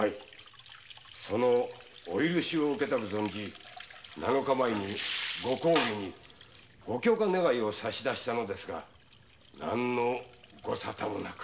そのお許しを受けたく七日前にご公儀に「御許可願」を差し出したのですが何のごさたもなく。